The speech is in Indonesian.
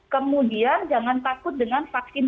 kemudian jangan takut dengan vaksin